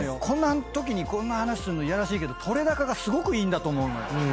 こんなときにこんな話するのいやらしいけど撮れ高がすごくいいんだと思う。